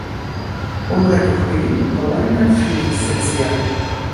У гэту хвіліну павольна адчыніліся дзверы.